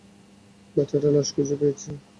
বাচ্চাটা লাশ খুঁজে পেয়েছে।